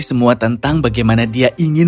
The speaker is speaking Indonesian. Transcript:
semua tentang bagaimana dia ingin